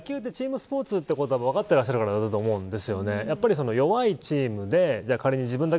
野球はチームスポーツってこと分かっていらっしゃるからだと思うんですよね。